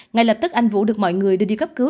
ngay lập tức anh vũ được mọi người đưa đi cấp cứu